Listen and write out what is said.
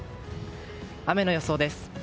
雨の予想です。